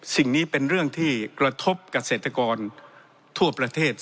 สิ่งนี้เป็นเรื่องที่กระทบเกษตรกรทั่วประเทศ